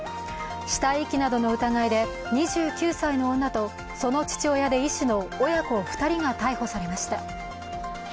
死体遺棄などの疑いで２９歳の女とその父親で医師の親子２人が逮捕されました。